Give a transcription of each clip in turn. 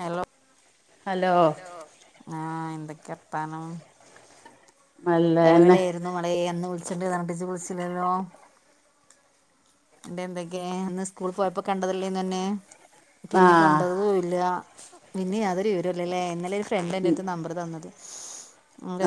Hello ആഹ എന്തൊക്കെയ വർ ഥാനം എവിടെ ആയിരുന്നു മളെ അ ന്ന് വിളിച്ചിണ്ട് വിളിക്കാം പറഞ്ഞിട്ട് നി വിളിച്ചില്ലല്ലോ എന്നിട്ട് എന്തൊക്കെയ അന്ന് സ്കൂൾ പോയപ്പോ കണ്ടതല്ലേന്ന നിന്നെ പിന്നെ കണ്ടതും ഇല്ല പിന്നെ യാതൊരു വിവരമല്ലല്ലേ ഇന്നലെ ഫ്രണ്ട് എന്റെടുത്ത് നമ്പർ തന്നത്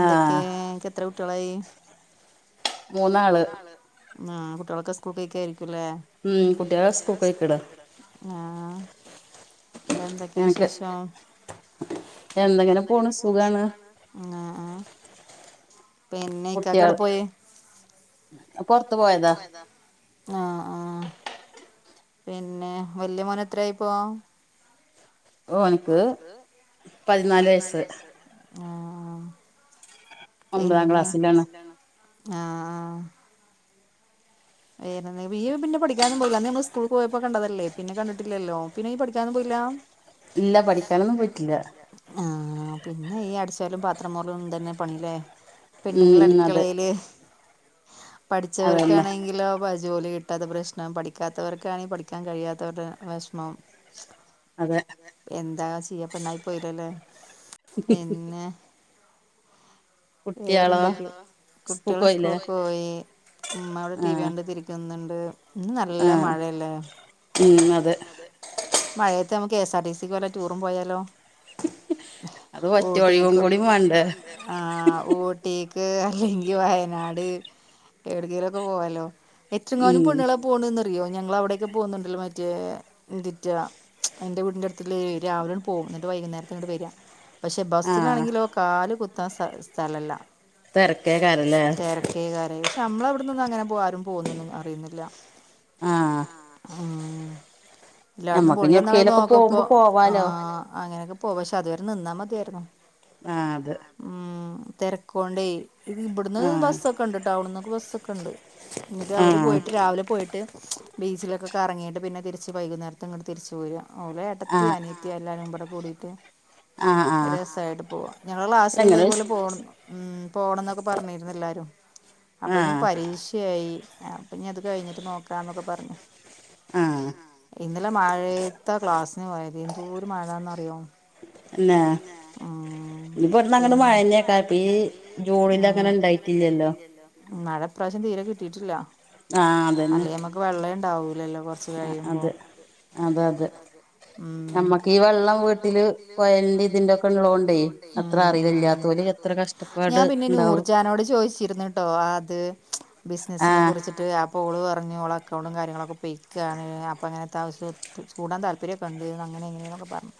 എന്തൊക്കെയെ നിനിക്ക് എത്ര കുട്ടികളായി മൂന്നാള് ആഹ കുട്ടികൊക്കെ സ്കൂൾപോയി രിക്കായിരിക്കും മ്മ് കുട്ടികൾ ഒക്കെ സ്കൂൾ പൊയ്ക്കണ്ണ് ആഹന്ത എന്തൊക്കെ വിശേഷം എന്താ ഇങ്ങന പോണ് സുഗാണ് പിന്നെ ഇക്കടെ പോയ, പുറത്ത പോയതാ ആഹ ആഹ പിന്നെ വല്യ മോൻ എത്രായിപ്പോ ഓ ഓനക്ക് പതിനാല് വയസ്സ് പിന്നെ അഞ്ചം ക്ലാസ്സിൽ ആണ് ആഹ വേറെ നീ പിന്നെ പഠിക്കാനന്നും പോയില്ല നമ്മൾ അന്ന് സ്കൂൾ പോയപ്പോ കണ്ടതല്ലേ പിന്നെ കണ്ടിട്ടില്ലല്ലോ പിന്നെ നീ പഠിക്കാനന്നും പോയില്ല ഇല്ല പഠിക്കാനൊന്നും പോയിട്ടില്ല ആ പിന്നെ ഈ അടിച്ചാലും പാത്രം മൂല ഒന്നും തന്നെ പണില്ലേ പെണ്ണുങ്ങളെ അടുക്കളയില് പഠിച്ചവർക്കാണെങ്കിൽ ജോലി കിട്ടാത്ത പ്രശ്നം പഠിക്കാത്തവർക്കാണ പഠിക്കാൻ കഴിയാത്തവരുടെ വിഷമം അതെ എന്താ ചെയ്യ പെണ്ണായി പോയിലല്ലേ പിന്നെ പേരെന്തൊക്ക കുട്ടികള് സ്കൂളക്ക് പോയി ഉമ്മക ടി വി കണ്ട് തിരിക്കുന്നുണ്ട് ഇന്ന് നല്ല മഴയല്ലേ? ഉ അതോ [unintelligible] നമുക്ക് കെ എസ് ആർ ടി സിക്ക്. വല ടൂറും പോയാലോ? ഊട്ടിക്ക്. ഊട്ടിക്ക്. ക് അല്ലെങ്കി വയനാട് എവിടെക്കെങ്കിലുമൊക്കെ പോകാല്ലോ? എത്രങ്ങനും പണ്ണളെ പോകണ്ന്ന്റിയോ ഞങ്ങ അവിടെക്കെ പോകുന്നുണ്ടല്ലോ. മറ്റേ എന്തിറ്റാ. എന്റെ വീടിന്റെ അടുള രാവിലോ ട് പോവും. എന്നിട്ട് വൈകുന്നേരത്ത് നിട്ടട് വര. പക്ഷെ ബസ്സിലാണെങ്കിലോ കാല് കുത്താൻ സ് സ്ഥലല്ല. തിരക്കേകാരാം പക്ഷെ നമ്മള അവിടൊന്നും അങ്ങനെ പോ ആരും പോകുന്നൊന്നും. അറിയുന്നില്ല ആഹ ആ എല്ലായിടത്തും പൊയി എന്നുള്ളത് നോക്കപ്പോ ആ് അങ്ങനെയൊക്കെ പോ പക്ഷെ അതുവരെ നിന്നാ മതിയായിരുന്നു. ആ അത്. തിരക്കൊണ്ട് ഇത് ഇവിടുന്ന് ബസ്സൊക്കെ ഉണ്ട്. ടൗണിൽ നിന്നൊക്കെ ബസ്സൊക്കെ ഉണ്ട്. എന്നിട്ട് അവര് പോയിട്ട് രാവിലെ പോയിട്ട് ബീച്ചിലൊക്കൊക്കെ ഇറങ്ങീട്ട്. പിന്നെ തിരിച്ച് വൈകുന്നേരത്തെ ഇങ്ങട്ട് തിരിച്ച് പോരാ ഓലെ ഇടത്തി അനിയത്തിയ എല്ലാരും പടെ കൂടിയിട്ട്. രസായിട്ട് പോവാ. ഞങ്ങളുടെ ക്ലാസ്സ്ന്ന് ഇതേപോലെ പോക ഉ പോണം എന്നൊക്കെ പറഞ്ഞിരുന്നില്ലാരും. അപ്പൊ ഇ പരീക്ഷയായി. അപ്പൊ ഇനി അത് കഴിഞ്ഞിട്ട് നോക്കാന്നൊക്കെ പറഞ്ഞു. ആഹ ഇന്നലെ മഴയത്തെ ക്ലാസ്സിന് പോയത്. എന്തൂര മഴാന്ന അറിയോ എന്നെ. ഇനി പവ്ട്ന്നങ്ങാട്ട് മഴന്നേക്കാരം. പ്പ ഈ ജൂണിൽ അങ്ങനെ ഇണ്ടായിട്ടില്ലല്ലോ? മഴപ്രാവശ്യം തീരെ കിട്ടിയിട്ടില്ല. അല്ലെ നമ്മക്ക് വെള്ളംണ്ടാവൂലല്ലോ? അത് അതെ അതെ. നമ്മക്ക് ഈ വെള്ളം വീട്ടില് കൊയലിന്റെ ആആ ഞാൻ പിന്നെ നൂർജാനോട് ചോദിരുന്നു. കേട്ടോ അത് ബിസിനസിനെ കുറിച്ചിട്ട്അപ്പോ ഓള് പറഞ്ഞുള്ള അക്കൗണ്ടും പറഞ്ഞു. ഓളെ അകൗണ്ട് കാര്യങ്ങളൊക്കെ പെയക്കാണ്. അപ്പോ അങ്ങനത്തെആവശ്യകൂടാൻ താല്പര്യമൊക്ക ഉണ്ട് അങ്ങനെനെ അങ്ങനെ കൊ പറഞ്ഞു.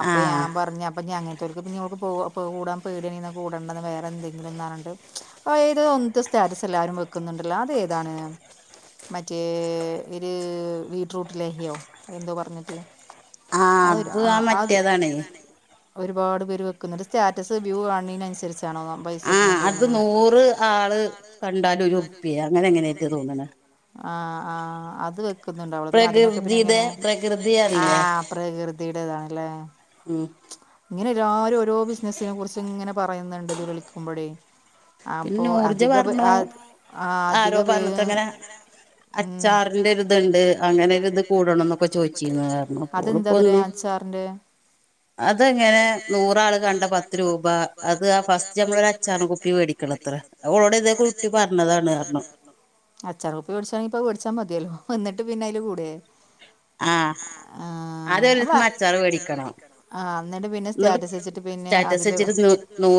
അപഞമം അപ്പങ്ങനതോൽക്ക് ന്നാ പേടിയാ ണെങ്കി കൂടാ കൂടണ്ടന്ന് വേറെ എന്തെിലും പറഞ്ഞണ്ട് അ [unintelligible] [unintelligible] സ്റ്റാറ്റസ് എല്ലാരും വെക്കുന്നുണ്ടല്ലോ അത് ഏതാണ് മറ്റേ ഒരു ബീറ്റ്റൂട്ട് ലേഹിയോ എന്തോ പറഞ്ഞിട്ട് അരു അ അഅത് മറ്റേതാണ് ഒരുപാട് പേര് വെക്കുന്നുണ്ട് സ്റ്റാറ്റസ് വ്യൂ കാണ്തിനനുസരിച്ച് ആണോ പൈസ കിട്ടണത് തോന്ന്ണ് ആ അത് നൂർ ആൾ കണ്ടാൽ ഒരുർപ്യ അങ്ങനെങ്ങനെക്കേ തോന്ന്ണ് ആ ആ അത് വെക്കുന്നുണ്ടാവുള്ളൂ പിന്നെതിനൊക്കെ പിന്നെപ്രകൃതീടെ എങ്ങനെ ആ പ്രകൃതി [unintelligible] ടതാല്ലേ ഉം ങ്ങനെ എല്ലാവാരുംഓരോ ബിസിനസിനെ കുറിച്ച് ഇങ്ങനെ പറയുന്നുണ്ട് ത് വിളിക്കുമ്പോഴേ അപ്പൊ അധിക ആ അധിക പേര് അച്ചാറിന്റെരി തുണ്ട് ങ്ങനരുത് കൂടണ എന്നൊക്കെ ചോദിച്ചിന്ന് നറഞ്ഞു അപ്പോളിപ്പൊന്നു [unintelligible] ന്റ അതെങ്ങനെ നൂറാൾ കണ്ട പത്ത് രൂപ അത് ആ ഫസ്റ്റ് മ്മളൊ അച്ചാറ കുപ്പി മേടിക്ക. ക്ണത്ര ഓളോട് ഇതേ കുട്ടി പറഞ്ഞതാണ് ർഞ്ഞു അച്ചാർകുപ്പി വേടിച്ചണെങ്കിപ്പോ അത് വെടിച്ച മതിയല്ലോ എന്നിട്ട് പിന്ന അതില് കൂടേ ആ നമ്മൾ അ [unintelligible] ആ ന്നിട്ട് പിന്നെ സ്റ്റാറ്റസ്ച്ചിട്ട് പിന്നെ അതില് [unintelligible]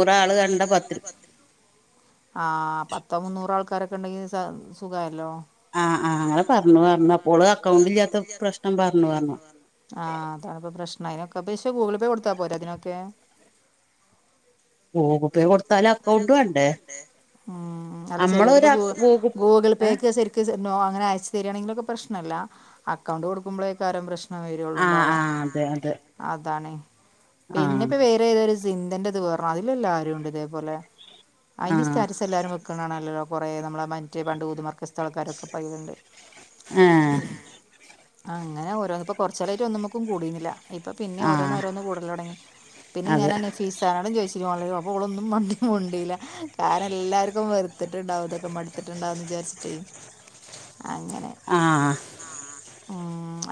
ആഹ പത്തോ മുന്നൂറ ആൾക്കാരൊക്കെ ഉണ്ടെങ്കി സുഗായല്ലോ ആഹ ആഹ് അത് പറഞ്ഞുറഞ്ഞു അപ്പോള് അക്കൗണ്ട ല്ലാത്ത പ്രശ്നം പറഞ്ഞുർഞ്ഞു പ്പൊ പ്രശ്നയി അയിനൊക്കെ അപ്പ പക്ഷെ ഗൂഗിൾ പേ കൊടുത്താ പോരാ അതിനൊക്കെ ആഹ് [unintelligible] ഉം അല്ല ചേലോൽ ഇപ്പോ ഗൂഗിൾ പേക്ക് ശരിക്ക് [unintelligible] അങ്ങനെ അയച്ച് തരികയാണെങ്കിലക്കെ പ്രശ്നല്ല അക്കൗണ്ട് കൊടുക്കുമ്പോളേക്കാരം പ്രശ്ന വരള്ളുണ്ടാവ ഉം ഉം അതാണ്. പിന്നെപ്പോ വേറെ ഏതോരു സിന്തന്റെറ ഇതു പർഞ്ഞു. അതിലെല്ലാവാരുംണ്ട് ഇതേപോലെ അയിന്റെ സ്റ്ററ്റസല്ലാവരും വെക്കണല്ലല്ല കൊറേ നമ്മളെ മറ്റെ പണ്ട് ഊദ്മർക്കസ്ത്തെ ആൾ ക്കാരൊക്കെ പയില്ണ്ട് അങ്ങനെ ഓരോന്ന് ഇപ്പോ കൊറച്ചേരായിട്ട് വ പിന്നെ ഓരോന്ന് ഓരോന്ന് കൂടലൊടങ്ങി പിന്നെ ഞൻന്ന നഫീ സാനോടും ചോയിച്ചിനീ ഓൺലൈൻ അപ്പോ അളോന്നും മണ്ടി മുണ്ടീല്ല കാരണം ല്ലാർക്കും വെറുത്തിട്ടുണ്ടാവുംതൊക്കെ മടുത്തിട്ടുണ്ടാവന്ന് ചാരിച്ചിട്ടേ [inaudible] ആഹ് ഉ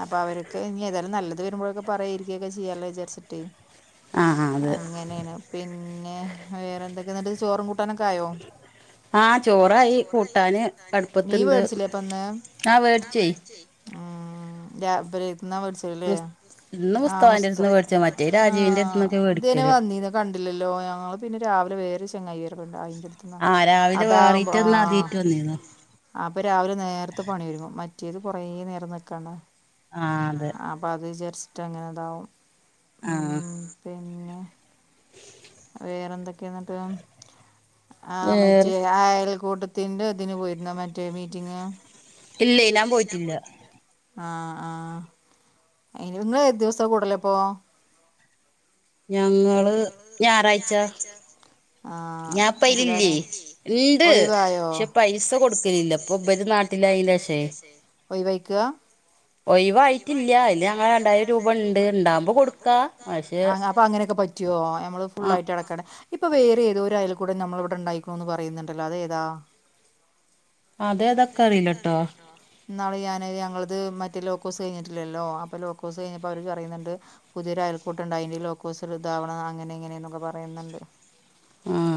അപ്പൊ അവരൊക്കെ ഇനി ഏതായാലും നല്ലതുവരുമ്പോഴൊക്കെ പറയ ഇരിക്കക്കെ ചെയ്യാലോ വിചാരിച്ചിട്ടെ ആഹ അത് പിന്നെ വേറെ എന്തൊക്കെയന്നിട്ട് ചോറും കൂട്ടാനൊക്കെ ആയോ [unintelligible] മീൻ മേടിച്ചില്ലേപ്പ ന്ന് ആ വേടിച്ചേയ് ആഹ് [unintelligible] മേടിച്ചല്ലേ അ മുസ്തു ഞാൻ ഒന്റെടുത്തുന്ന മെഡിച്ചെ ല്ലല്ലോ ഞങ്ങള്ൾ പിന്നെ രാവിലെ വേറെ ചങ്ങായരൽ ണ്ട് അയിന്റെടുത്തന്നാ അതകുമ്പോ ആ അപ്പൊ രാവിലെ നേരത്തെ പണി കയ്യ ചറ്റിയത് കൊറ നേരം ക്കണ്ട അപ്പൊ അത് ങ്ങനെജെർച്ചിറ്റ് അങ്ങനെ താവും ആഹ് പിന്നെ വേറെന്തൊക്കെയ എന്നിട്ട് ആ മറ്റെ ആ [unintelligible] വോട്ടുത്തിന്റെ തിന് പോയിരുന്നോ മറ്റേ മീറ്റിങ് ഇല്ല നാൻ പോയിറ്റില്ല ആഹ ആഹ അയ്ൻ ങ്ങള് ഏതേസാ കൂടലപ്പോ ഞങ്ങള് ഞായറാഴ്ച ഞാപ്പയിലില്ലേയ് ണ്ട് പക്ഷെ പൈസ കൊടുക്കലില്ല ഇപ്പൊവര് നാട്ടിലായിന്റെശേ ഒയ് വൈയ്ക്ക. ഒയി വായിട്ടില്ല അതില് ഞങ്ങള് രണ്ടായിരം രൂപ ഉണ്ട്. ഇണ്ടാവകുമ്പോ കൊടുത്താ പറ്റുവോ നമ്മള് ഫുള്ളായിട്ട് അടക്കണേ? ഇപ്പൊ വേറെ ഏതോ ഒരു അയൽകുടം. നമ്മൾ ഇവിടെ ഉണ്ടായികുണു. എന്ന് പറയുന്നുണ്ടല്ലോ അത് ഏതാ. അതേതാ എനിക്കറിയില്ല ട്ടോ ഇന്നാള് ഞാൻ ഞങ്ങളിത് മറ്റെ ലോക്കോസ് കഴിഞ്ഞിട്ടില്ലല്ലോ. അപ്പൊ ലോക്കോസ് കഴിഞ്ഞപ്പോ അവര് പറയുന്നുണ്ട്. പുതിയൊരു അയൽക്കൂട്ടണ്ടായി ഇനി ലോക്കോസ്ൽ ഇതാവണം അങ്ങനെ എങ്ങനെന്നൊക്കെ പറയുന്നുണ്ട്.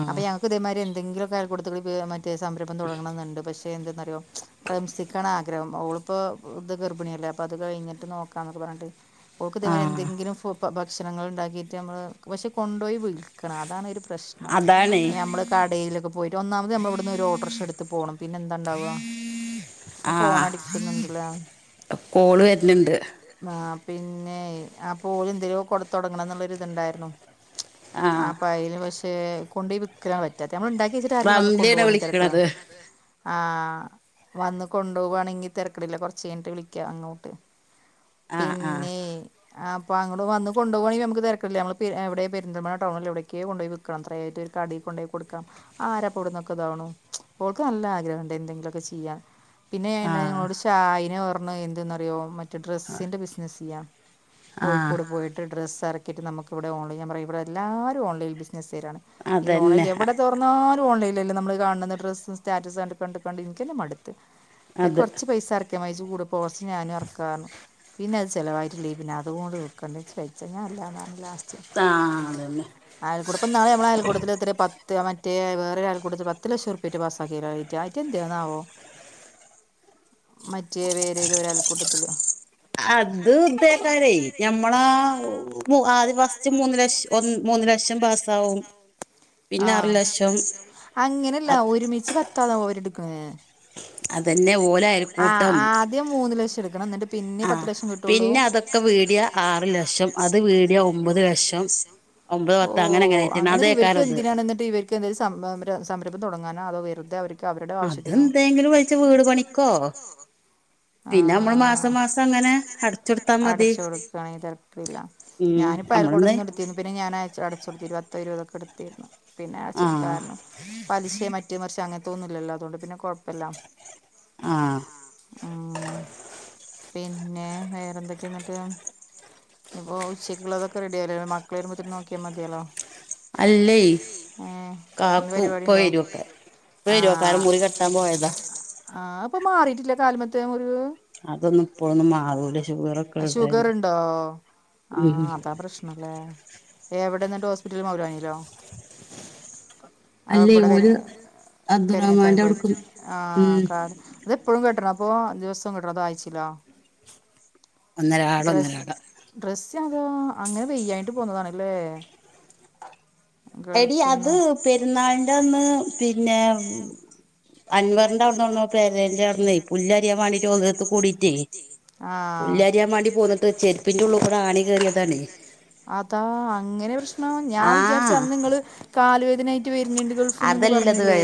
അപ്പൊ ഞങ്ങൾക്ക് ഇതേമാതിരി എന്തെങ്കിലൊ അയൽക്കൂട്ടത്തിൽ മറ്റേ സംരംഭം തുടങ്ങണം എന്നുണ്ട്. പക്ഷെ എന്താന്ന് അറിയോ റാംസിക്കാണ് ആഗ്രഹം. അവളിപ്പോ ഇത് ഗർഭിണിയല്ലേ അത് കഴിഞ്ഞിട്ട് നോക്കാന്നൊക്കെ. പണ്ട് ഒക്ക് ഇതേമാരി എന്തെങ്കിലും ഭക്ഷണങ്ങൾ ഉണ്ടാക്കിയിട്ട്. നമ്മള് പക്ഷെ കൊണ്ടുപോയി വിൽക്കണം. അതാണ് ഒ പ്രശ്നം നമ്മള് കടയിലൊക്കെ പോയിട്ട് ഒന്നാമത് നമ്മള് ഇവിടുന്ന് ഒരു ഓട്ടോറിക്ഷ എടുത്ത് പോണം. പിന്നെന്താണ്ടാവുക. ആ കോള് വരുനുണ്ട്. പിന്നെ ആ പോലു എന്തെലോ കൊടുത്ത് തൊടങ്ങണം. എന്നുള്ളൊരു ഇത്ണ്ടായിരുന്നു. ആ പയൽ പക്ഷെ കൊണ്ടയി വിൽക്കലാണ് പറ്റാ നമ്മള് ഉണ്ടാക്കി വെച്ചിട്ട് ആരെങ്കിലും വന്ന് കൊണ്ടു പോണേ [unintelligible] ആ വന്ന് കൊണ്ടുപോകുവായാണെങ്കി തിരക്കണ്ണില്ല. കൊറച്ച് കഴിഞ്ഞിട്ട് വിളിക്കാം അങ്ങോട്ട്. ആ ആ അപ്പോ അങ്ങട് വന്ന് കൊണ്ടുപോവുകയാണെങ്കിൽ നമ്മ്ക്ക്‌ തരക്കടില്ല. നമ്മള് എവിടെ പെരിന്തൽമണ്ണ ടൗണിൽ എവിടേക്കേ കൊണ്ടുപോയി വിൽക്കണത്രെ. ത്താടി കൊണ്ടയി കൊടുക്കാം ആരാ ഇവിടുന്നൊക്കെ ഇതാവണു ഓൾക്ക് നല്ല എന്തെിലൊക്കെ ചെയ്യാൻ പിന്നെ അയിനെ ഷെയിന പറഞ്ഞു എന്തെന്നാറിയോ ഡ്രസ്സിന്റെ ബിസിനസ്സ് ചെയാം കോഴിക്കോട് പോയിട്ട് ഡ്രസ് ഇറക്കയിട്ട് നമ്ക്ക്‌ ഇവിടെ ഓൺലൈ ഞാൻ പറയും ഇവിടെ എല്ലുരും ഓൺലൈൻ ബിസിനസുകാരാണ് ഈ ഓൺലൈൻ എവിടെ തറന്നാ ഓൺലൈൽല്ലല്ലേ നമ്മളു കാണുന്നത് ഡ്രസ്സും സ്റ്റസ് കണ്ട് കണ്ട് കണ്ട് എനിക്ക് തന്നെ മടു ത് ആയിക്ക് കൊറച്ച് പൈസ ഇറക്കിയാ മതി ചൂട് കൊറച്ച് ഞാനും ഇറക്കാന്ന്‌ പിന്നെ അത് ചെലവായിട്ടില്ലേ പിന്നെ അതുകൂടെ അയൽക്കൂട്ട ഇന്നാള് ഞമ്മളെ അയൽക്കൂട്ടത്തിൽ ഇത്ര പത്ത് മറ്റേ ഒരാൾ അയൽക്കൂട്ടത്തിൽ പത്ത് ലക്ഷം രുപേറ്റ്‌ പാസ്സാക്കി എന്തെന്നാവോ മറ്റേ വേറെ ഏതോ മറ്റെ വേറെ ഒര് അയൽക്കൂട്ടത്തില് അത് ഇതേക്കാരായി ഞമ്മളെ ആദ്യ ഫസ്റ്റ് മൂന്ന് ലക്ഷം ഒ അങ്ങനല്ല ഒരുമിച്ച് പത്ത് ഓര് ക്ക ആ ആദ്യം മൂന്ന് ലക്ഷം എടുക്കണം എന്നിട്ട് പിന്നെ പത്തു ലക്ഷം കിട്ടുള്ളൂ വീടിയ ആറ് ലക്ഷം അത് വീടിയ ഒമ്പത് ലക്ഷം ഓ അങ്ങനെ ഇവക്ക് എന്തിനാണ് എന്നിട്ട് ഇവർക്ക് എന്താലും സം സംരംഭം തുടങ്ങാന അതോ വെറുതെ അവർക്ക് അ അതെന്തെങ്കിലും വെച്ച് വീട് പണിക്കോ പിന്നെ നമ്മള് മാസം മാസം അങ്ങനെ അടച്ചൊടുത്താ മതി ഞാനിപ്പ അയൽക്കൂടത്തിന്ന് എടുത്തിരുന്നു പിന്നെ അയച് ഞാൻ അടച്ചൊടുത്തി ഇരു എടുത്തിരുന്നു പിന്നെ ആഴ്ചയിൽ കാണുണം പലിശെ മറ്റി മറിച്ച് അങ്ങന തോന്നില്ലല്ലോ അതുകൊണ്ട് പിന്നെ കൊഴപ്പല്ല ഉം പിന്നെ വേറെന്തൊക്കെയ എന്നിട്ട് ഇപ്പൊ ഉച്ചയ്ക്കുള്ള അതൊക്കെ റെഡിയില്ലോ മക്കളു വെരുമ്പോതെക്കും നോക്കിയാ മതിയാലോ അല്ലേ കാക്കൂ ഇപ്പ വരുട്ടോ വെരു കാരണം മൂരി കെട്ടാൻ പോയതാ ഇപ്പൊ മാറിയിട്ടില്ല കാലുമത്തെ ഒരു ഷുഗർണ്ടോ? ആ അതാ പ്രശ്നല്ലേ എവിടെ എന്നിട്ട് ഹോസ്പിറ്റല് അല്ലേ ഒരു കരിങ്ങത് [unintelligible] പോയി ആഹ് കാര് അതെ പുഴ കട്ടന ഇപ്പ ദിവസം കിട്ടണ അയച്ചില്ലോ ഡ്രസ് ഡ്രസ് അതാ അങ്ങനെ വെയ്യായിട്ട് പോന്നതാണല്ലേ എടി അത് പെരുന്നാളിന്റെ അന്ന് പിന്നെ. അൻവറിന്റെ അവിടന്നോ പേരന്റെറെ അവിന്ന് പുല്ല് അരിയാൻ വേണ്ടീട്ട്ത്ത് കൂടിട്ടേ അതാ അങ്ങനെ പ്രശ് [unintelligible] ഞാൻ വിചാരിച്ച അന്ന് ഇങ്ങള് കാലുവേദനയ് വരുന്നണ്ട് ഗൾഫ്ന്നന്ന് പറഞ്ഞില്ലേ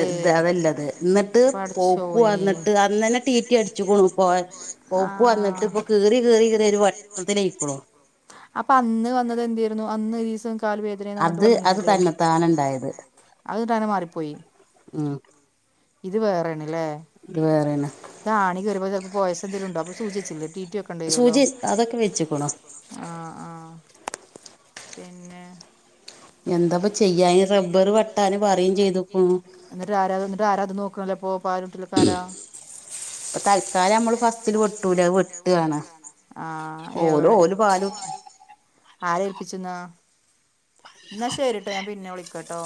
പോപ്പ് വന്നിട്ട് അന്നന്നെ ടി ട്ടി അടിചൂക്കുണു പോപ്പ വന്നിട്ട് കീറി കേറി റകീറി ഒരു വട്ടത്തിലായിക്കുണു അപ്പ അന്ന് വന്നത് എന്തെയിരുന്നു അന്ന് ഒരു ദിവസം കാല വേദനന്ന് പറഞ്ഞിട്ട് വന്നല്ലേ അഹ് അങ്ങോട്ട്മാറിപ്പോയി ഉ ഇത് വേറെണേ ഇത് വേറെന ഇത് ആണി കേറിയപ്പം പോയസ എന്തേലും ഉണ്ടോ അപ്പൊ സൂചിച്ചില്ലേ ടീറ്റി ഒക്കെണ്ടരുവല്ലോ ആ ആ പിന്നെ എന്താ പ എന്നിട്ട് എന്നിട്ട് ആ നോക്കണല്ലോ ഇപ്പം പാരൂട്ടിലൊക്കാരാ തൽക്കാലം ഞമ്മള് പറമ്പില് വെട്ടൂലെ അത് വെട്ടാണ് ആ എവടെ [unintelligible] പാലും ആരേൽപ്പിച്ചുന്നാ ഇന്നാ ശരിട്ടോ ഞാൻ പിന്നെ വിളിക്കട്ടോ